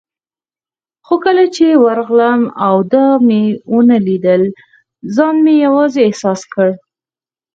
خو کله چې ورغلم او دا مې ونه لیدل، ځان مې یوازې احساس کړ.